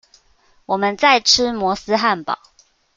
我們在吃摩斯漢堡